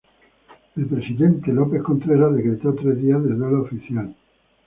El presidente López Contreras decretó tres días de duelo oficial.